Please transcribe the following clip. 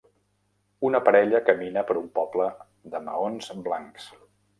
Una parella camina per un poble de maons blancs.